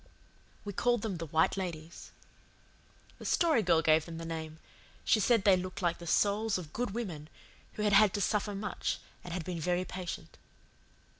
We called them the White Ladies. The Story Girl gave them the name. She said they looked like the souls of good women who had had to suffer much and had been very patient.